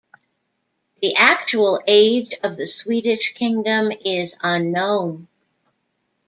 The actual age of the Swedish kingdom is unknown.